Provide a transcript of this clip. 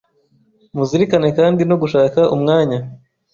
Muzirikane kandi no gushaka umwanya